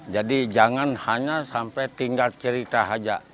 jadi jangan hanya sampai tinggal cerita saja